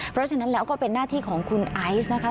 เพราะฉะนั้นแล้วก็เป็นหน้าที่ของคุณไอซ์นะคะ